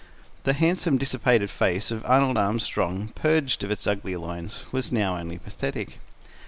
The handsome, dissipated face of Arnold Armstrong, purged of its ugly lines, was now only pathetic.